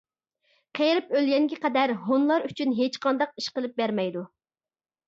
قېرىپ ئۆلگەنگە قەدەر ھونلار ئۈچۈن ھېچقانداق ئىش قىلىپ بەرمەيدۇ.